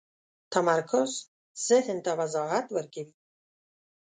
تمرکز ذهن ته وضاحت ورکوي.